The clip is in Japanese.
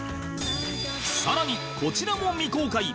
さらにこちらも未公開！